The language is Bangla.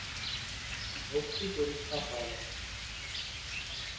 ভর্তি পরিক্ষা হয়না।